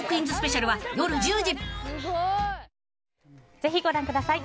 ぜひご覧ください。